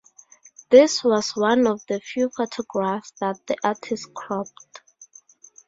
This was one of the few photographs that the artist cropped.